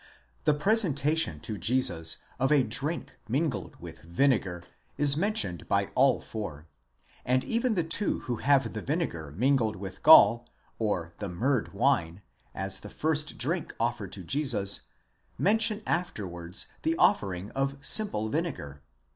The presentation to Jesus of a drink * mingled with vinegar is mentioned by all four, and even the two who have the vinegar mingled with gall, or the myrrhed wine, as the first drink offered to Jesus, mention afterwards the offering of simple vinegar.